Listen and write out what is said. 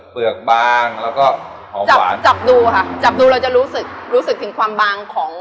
เปลือกบางแล้วก็จับจับดูค่ะจับดูเราจะรู้สึกรู้สึกถึงความบางของ